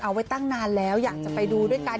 เอาไว้ตั้งนานแล้วอยากจะไปดูด้วยกัน